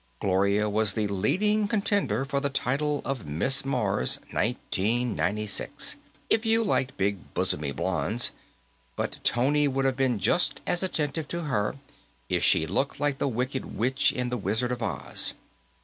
Gloria was the leading contender for the title of Miss Mars, 1996, if you liked big bosomy blondes, but Tony would have been just as attentive to her if she'd looked like the Wicked Witch in "The Wizard of Oz."